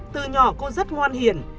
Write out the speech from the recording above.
từ nhỏ cô rất ngoan hiền